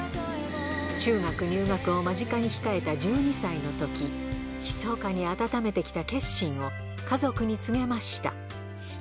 中学入学を間近に控えた１２歳のとき、ひそかに温めてきた決心を、家族に告げました。